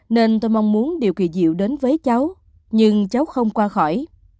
nên tôi mong muốn điều kỳ diệu đến với cháu nhưng cháu không qua khỏi